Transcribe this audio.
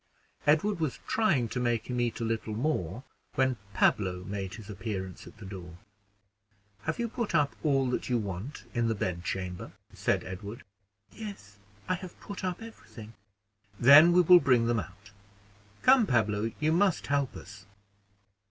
Edward was trying to make him eat a little more, when Pablo made his appearance at the door. "Have you put up all that you want in the bedchamber?" said Edward. "Yes, I have put up every thing." "Then we will bring them out. Come, Pablo, you must help us."